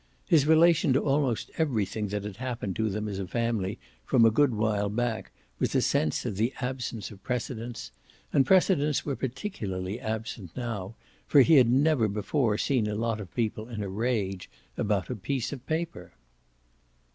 His relation to almost everything that had happened to them as a family from a good while back was a sense of the absence of precedents, and precedents were particularly absent now, for he had never before seen a lot of people in a rage about a piece in the paper.